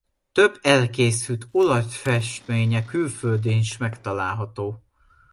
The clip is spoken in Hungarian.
Több elkészült olajfestménye külföldön is megtalálható.